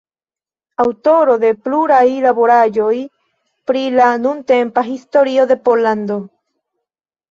Aŭtoro de pluraj laboraĵoj pri la nuntempa historio de Pollando.